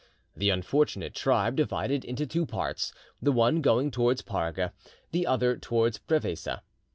The unfortunate tribe divided into two parts, the one going towards Parga, the other towards Prevesa.